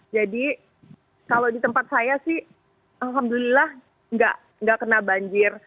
jadi kalau di tempat saya sih alhamdulillah enggak kena banjir